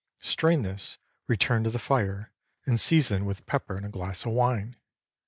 Strain this, return to the fire, and season with pepper and a glass of wine.